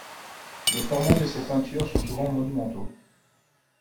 Les formats de ses peintures sont souvent monumentaux.